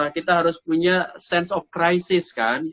kita harus punya sense of crisis kan